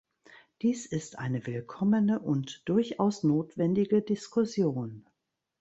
Dies ist eine willkommene und durchaus notwendige Diskussion.